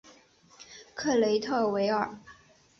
克雷特维尔。